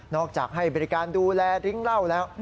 จากให้บริการดูแลริ้งเหล้าแล้ว